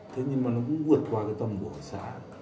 thế nhưng mà nó cũng vượt qua cái tâm của xã